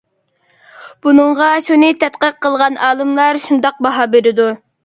بۇنىڭغا شۇنى تەتقىق قىلغان ئالىملار شۇنداق باھا بېرىدۇ.